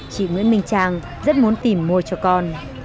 chị nguyễn minh trang rất muốn tìm mua cho con